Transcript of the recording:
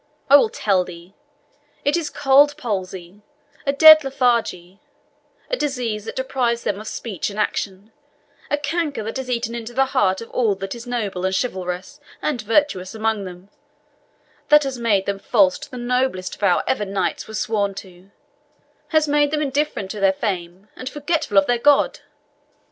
I will tell thee. It is a cold palsy, a dead lethargy, a disease that deprives them of speech and action, a canker that has eaten into the heart of all that is noble, and chivalrous, and virtuous among them that has made them false to the noblest vow ever knights were sworn to has made them indifferent to their fame, and forgetful of their God!"